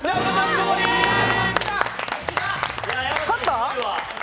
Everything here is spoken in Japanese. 勝った？